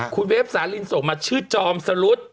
คุณเวฟสาลินส่งมาชื่อจอมสรุธ